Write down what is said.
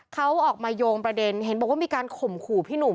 เขาออกมาโยงประเด็นเห็นบอกว่ามีการข่มขู่พี่หนุ่ม